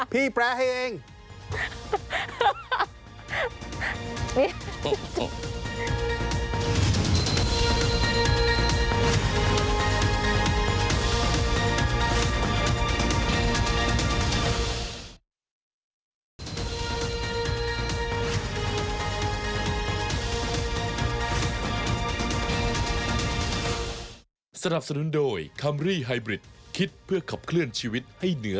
พี่แปลให้เอง